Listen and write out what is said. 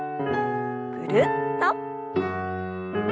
ぐるっと。